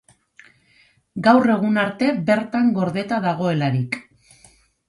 Gaur egun arte bertan gordeta dagoelarik.